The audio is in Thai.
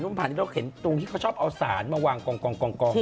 นี่เราเห็นตรงที่เขาชอบเอาสารมาวางกองก่อนไหม